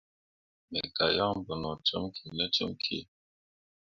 Me gah yan bo no com kine comki.